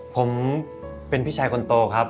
ผมเป็นพี่ชายคนโตครับ